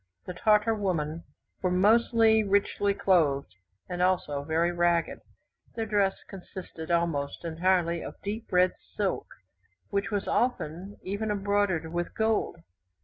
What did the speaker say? The Tartar women were mostly richly clothed, and also very ragged. Their dress consisted almost entirely of deep red silk, which was often even embroidered with gold.